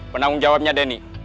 penanggung jawabnya denny